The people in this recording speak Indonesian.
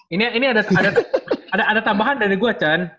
ini ini ada tambahan dari gua chan